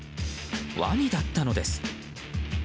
ワニだったのです。